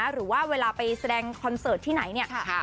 หรือว่าเวลาไปแสดงคอนเสิร์ตที่ไหนเนี่ย